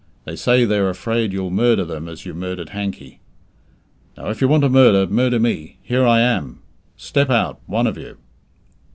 They say they're afraid you'll murder them as you murdered Hankey. Now, if you want to murder, murder me. Here I am. Step out, one of you."